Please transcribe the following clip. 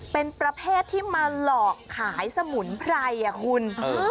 เป็นประเภทที่มาหลอกขายสมุนไพรอ่ะคุณ